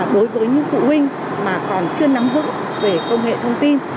đối với những phụ huynh mà còn chưa nắm vững về công nghệ thông tin